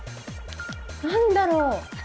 何だろう？